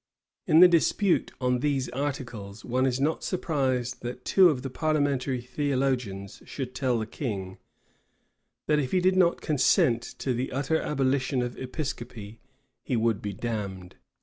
In the dispute on these articles, one is not surprised that two of the parliamentary theologians should tell the king, "that if he did not consent to the utter abolition of Episcopacy he would be damned."